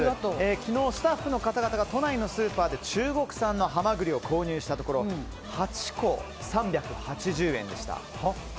昨日、スタッフの方々が都内のスーパーで中国産のハマグリを購入したところ８個３８０円でした。